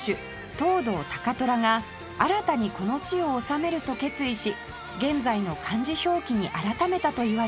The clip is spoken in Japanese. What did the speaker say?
藤堂高虎が「新たにこの地を治める」と決意し現在の漢字表記に改めたといわれています